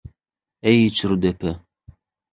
Eý çür depe!